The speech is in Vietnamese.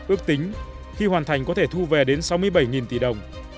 ước tính khi hoàn thành có thể thu về đến sáu mươi bảy tỷ đồng